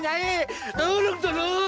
nyai tolong nyai